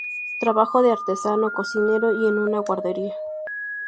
Trabajó de artesano, cocinero y en una guardería.